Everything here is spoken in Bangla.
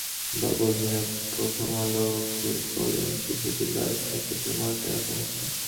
বাবুল মিয়া প্রথম আলোকে বলেন, শিশুটির লাশ হাসপাতালের মর্গে রাখা হয়েছে।